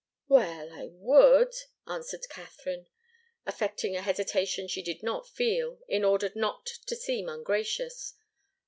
"Well I would," answered Katharine, affecting a hesitation she did not feel, in order not to seem ungracious.